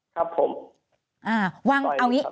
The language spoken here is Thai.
ครับผม